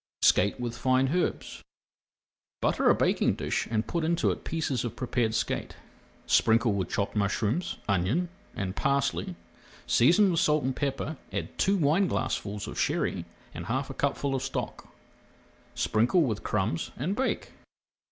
SKATE WITH FINE HERBS Butter a baking dish and put into it pieces of prepared skate. Sprinkle with chopped mushrooms, onion, and parsley, season with [Page 365] salt and pepper, add two wineglassfuls of Sherry and half a cupful of stock. Sprinkle with crumbs and bake.